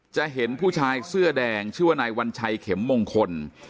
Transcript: จะเห็นผู้ชายเสื้อแดงชื่อว่านายวัญชัยเข็มมงคล